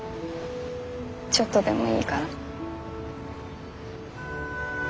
ちょっとでもいいから。